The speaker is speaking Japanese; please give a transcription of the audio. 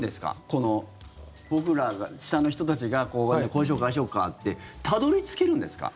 この、僕ら下の人たちがこうしようか、ああしようかってたどり着けるんですか？